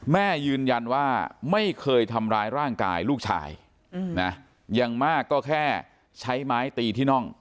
แม่ยืนยันว่าไม่เคยทำร้ายร่างกายลูกชายนะอย่างมากก็แค่ใช้ไม้ตีที่น่อง